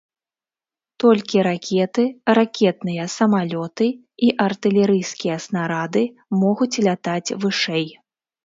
Толькі ракеты, ракетныя самалёты і артылерыйскія снарады могуць лятаць вышэй.